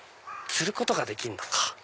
釣ることができるのか。